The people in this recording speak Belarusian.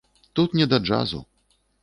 Тут не да джазу.